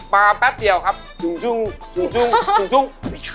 มาแป๊บเดียวครับจุ่งจุ่งจุ่งจุ่ง